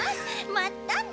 まったね。